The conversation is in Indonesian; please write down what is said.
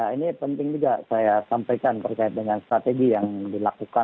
ini penting juga saya sampaikan terkait dengan strategi yang dilakukan